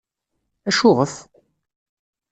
Acuɣef?